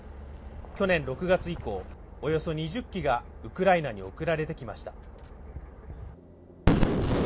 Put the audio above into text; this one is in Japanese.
去年６月以降、およそ２０基がウクライナに送られてきました。